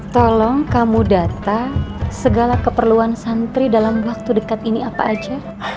tolong kamu data segala keperluan santri dalam waktu dekat ini apa aja